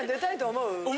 思う？